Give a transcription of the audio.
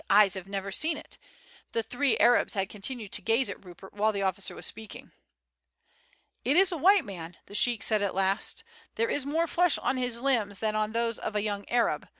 Eyes have never seen it!" the three Arabs had continued to gaze at Rupert while the officer was speaking. "It is a white man," the sheik said at last; "there is more flesh on his limbs than on those of a young Arab.